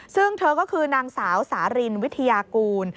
ซึ่งเธอก็คือนางสาวสารินวิทยากูล